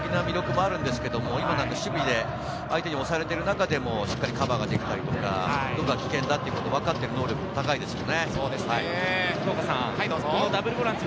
攻撃的な魅力もあるんですけれど、守備で相手に押されてる中でも、しっかりカバーができたりとか、どこが危険だっていうのが分かってる能力が高いですよね。